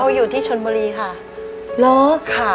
เขาอยู่ที่ชนบุรีค่ะ